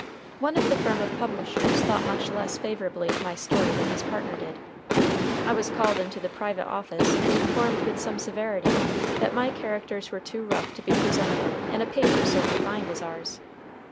One of the firm of publishers thought much less favorably of my story than his partner did. I was called into the private office and informed with some severity that my characters were too rough to be presentable in a paper so refined as ours.